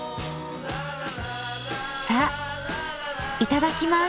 さあいただきます。